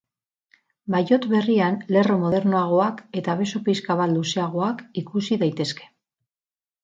Maillot berrian lerro modernoagoak eta beso pixka bat luzeagoak ikusi daitezke.